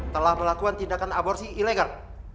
telah melakukan tindakan aborsi ilegal